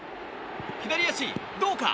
左足、どうか。